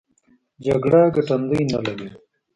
جګړه ګټندوی نه لري.